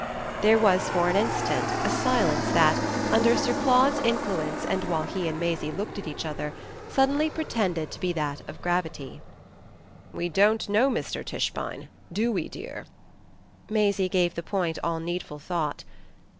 There was for an instant a silence that, under Sir Claude's influence and while he and Maisie looked at each other, suddenly pretended to be that of gravity. "We don't know Mr. Tischbein, do we, dear?" Maisie gave the point all needful thought.